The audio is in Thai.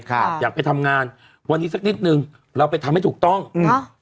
ครับอยากไปทำงานวันนี้สักนิดนึงเราไปทำให้ถูกต้องอืม